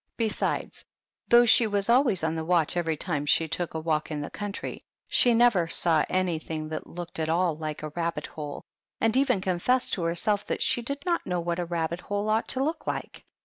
Besides, though she was always on the watch every time she took a walk in the country, she never saw anything that looked at all like a rabbit hole, and even confessed to herself that she did not know what a rabbit hole ought to look like.